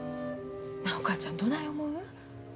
なあお母ちゃんどない思う？